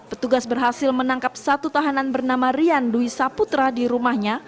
petugas berhasil menangkap satu tahanan bernama rian dwi saputra di rumahnya